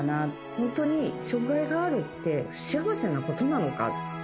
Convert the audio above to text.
本当に障がいがあるって不幸せなことなのかって。